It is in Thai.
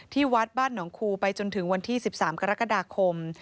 วัดบ้านหนองคูไปจนถึงวันที่๑๓กรกฎาคม